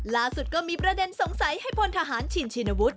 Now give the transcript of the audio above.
ล่าสุดก็มีประเด็นสงสัยให้พลทหารชินชินวุฒิ